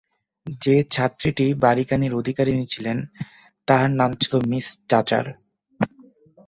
যে ছাত্রীটি বাড়ীখানির অধিকারিণী ছিলেন, তাঁহার নাম ছিল মিস ডাচার।